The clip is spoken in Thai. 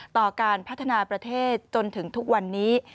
ต่อการพัฒนาประเทศจนถึงทุกวันนี้